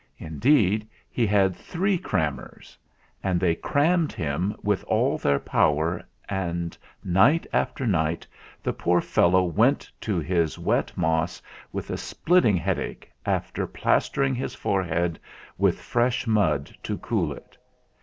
Indeed, he had three crammers; and they crammed him with all their power, and night after night the poor fellow went to his wet moss with a splitting headache after plastering his forehead with fresh mud to cool it.